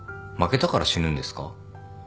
負けたから死ぬんですか？